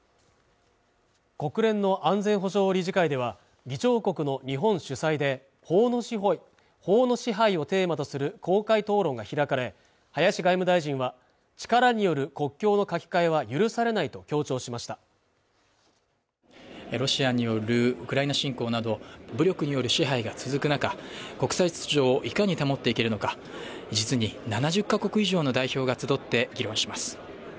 国連の安全保障理事会では議長国の日本主催で法の支配をテーマとする公開討論が開かれ林外務大臣は力による国境の書き換えは許されないと強調しましたロシアによるウクライナ侵攻など武力による支配が続く中国際秩序をいかに保っていけるのか実に７０か国以上の代表が集って議論します